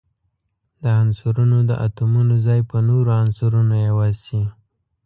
د عنصرونو د اتومونو ځای په نورو عنصرونو عوض شي.